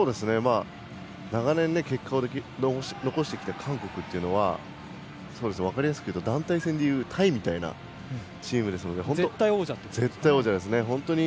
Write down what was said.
長年、結果を残してきた韓国というのは分かりやすく言うと団体戦でいうタイみたいなチームなので絶対王者ですね。